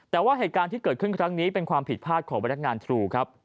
แต่ว่าเหตุการณ์ที่เกิดขึ้นครั้งนี้เป็นความผิดพลาดของพนักงานทรูครับ